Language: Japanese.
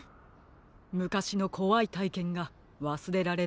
むかしのこわいたいけんがわすれられないのですね。